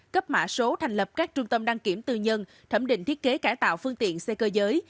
cấp mã số thành lập các trung tâm đăng kiểm tư nhân thẩm định thiết kế cải tạo phương tiện xe cơ giới